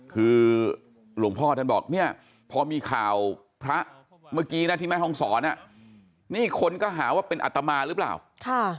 คือหลวงพ่อท่านบอกเนี่ยพอมีข่าวพระเมื่อกี้นะที่แม่ห้องศรอ่ะนี่คนก็หาว่าเป็นอัตมาหรือเปล่าค่ะ